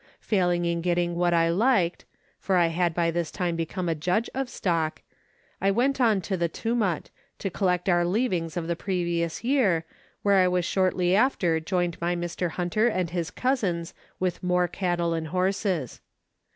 Failing in getting what I liked (for I had by this time become a judge of stock), I went on to the Tumut, to collect our leavings of the previous year, where I was shortly after joined by Mr. Hunter and his cousins with more cattle and horses.